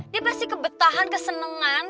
dia pasti kebetahan kesenengan